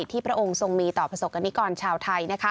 พระองค์ทรงมีต่อประสบกรณิกรชาวไทย